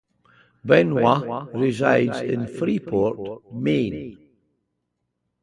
Benoit resides in Freeport, Maine.